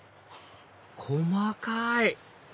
細かい！